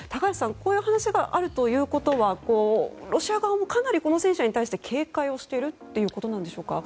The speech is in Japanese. こういう話があるということはロシアもかなりこの戦車に対して警戒をしているということなんでしょうか。